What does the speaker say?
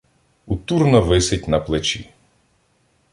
У Турна висить на плечі.